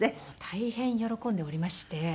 大変喜んでおりまして。